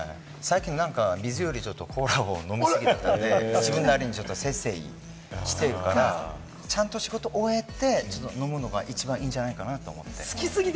最近、水よりもコーラを飲みすぎてて、自分なりに節制しているから、ちゃんと仕事を終えて飲むのが一番いいんじゃないかなと思って。